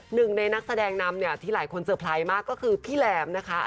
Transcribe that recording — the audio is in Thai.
หนึ่งในนักแสดงนำเนี่ยที่หลายคนเซอร์ไพรส์มากก็คือพี่แหลมนะคะ